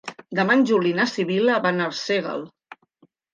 Demà en Juli i na Sibil·la van a Arsèguel.